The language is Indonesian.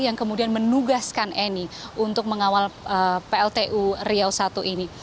yang kemudian menugaskan eni untuk mengawal pltu riau i ini